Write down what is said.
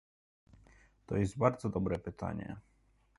To jest bardzo dobre pytanie